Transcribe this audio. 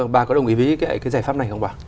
bà có đồng ý với cái giải pháp này không bà